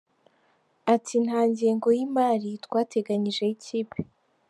Ati “Nta ngengo y’imari twateganyije y’ikipe.